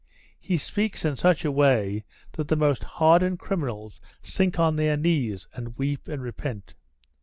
He speaks in such a way that the most hardened criminals sink on their knees and weep and repent."